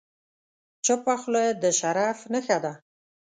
چپه خوله، د شرف نښه ده.